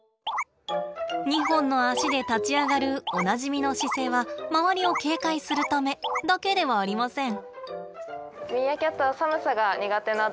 ２本の足で立ち上がるおなじみの姿勢は周りを警戒するためだけではありません。